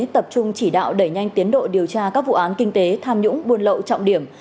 tập trung chỉ đạo đẩy nhanh tiến độ điều tra các vụ án kinh tế tham nhũng buôn lậu trọng điểm